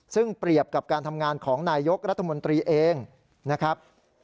ซึ่งเปรียบกับการทำงานของนายยกรัฐมนตรีเองนะครับ